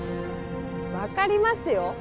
分かりますよ